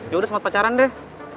ya udah semuanya pacaran deh